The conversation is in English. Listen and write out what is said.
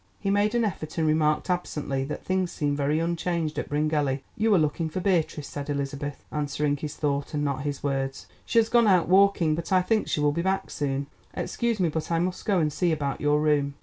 He made an effort, and remarked absently that things seemed very unchanged at Bryngelly. "You are looking for Beatrice," said Elizabeth, answering his thought and not his words. "She has gone out walking, but I think she will be back soon. Excuse me, but I must go and see about your room."